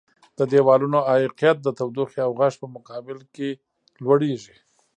د دیوالونو عایقیت د تودوخې او غږ په مقابل کې لوړیږي.